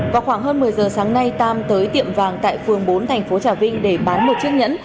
vào khoảng hơn một mươi giờ sáng nay tam tới tiệm vàng tại phường bốn thành phố trà vinh để bán một chiếc nhẫn